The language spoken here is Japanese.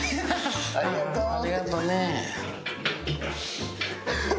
ありがとね。